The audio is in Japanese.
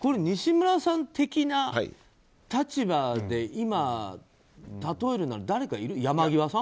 西村さん的な立場で今、例えるなら誰かいる？